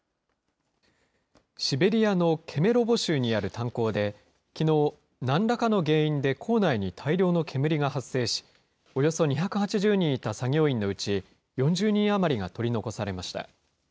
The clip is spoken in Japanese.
シベリアのケメロボ州にある炭鉱で、きのう、なんらかの原因で坑内に大量の煙が発生し、およそ２８０人いた作業員のうち、４０人余りが取り残されました。